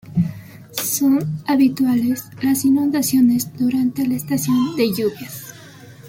Son habituales las inundaciones durante la estación de lluvias.